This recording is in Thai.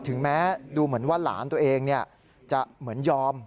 ถึงแม้ดูเหมือนว่าหลานตัวเองจะเหมือนยอม